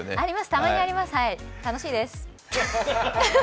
たまにあります、楽しいです！